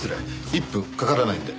１分かからないので。